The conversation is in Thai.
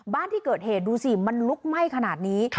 บ้านที่เกิดเหตุดูสิมันลุกไหม้ขนาดนี้